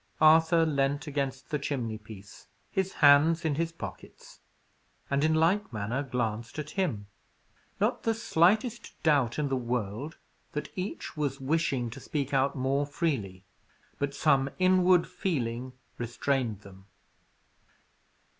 Arthur leaned against the chimneypiece, his hands in his pockets, and, in like manner, glanced at him. Not the slightest doubt in the world that each was wishing to speak out more freely. But some inward feeling restrained them.